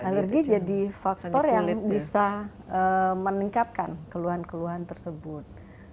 alergi jadi faktor yang bisa meningkatkan keluhan keluhan tersebut